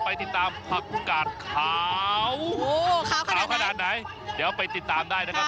ไปติดตามผักกาดขาวโอ้โหขาวขนาดไหนเดี๋ยวไปติดตามได้นะครับ